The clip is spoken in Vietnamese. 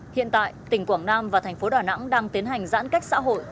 hiện tại tỉnh quảng nam và thành phố đà nẵng đang tiến hành giãn cách xã hội